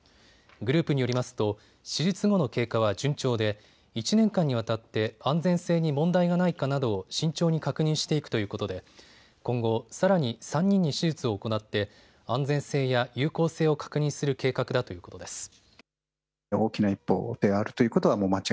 グループによりますと手術後の経過は順調で１年間にわたって安全性に問題がないかなどを慎重に確認していくということで今後、さらに３人に手術を行って安全性や有効性を確認する計画だということです。